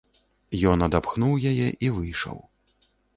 Ён адапхнуў яе і выйшаў.